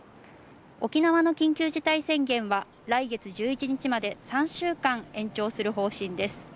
沖縄の緊急事態宣言は来月１１日まで３週間延長する方針です。